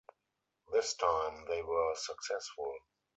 This time, they were successful.